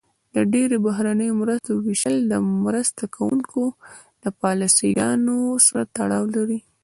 د ډیری بهرنیو مرستو ویشل د مرسته کوونکو د پالیسي ګانو سره تړاو لري.